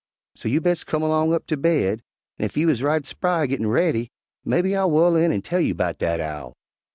So you bes' come 'long up ter baid, an' ef you is right spry gettin' raidy, mebbe I'll whu'l in an' tell you 'bout dat owl."